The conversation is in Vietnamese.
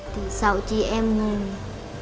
thì sáu chị em ngồi